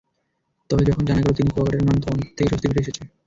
তবে যখন জানা গেল তিনি কুয়াকাটার নন, তখন থেকে স্বস্তি ফিরে এসেছে।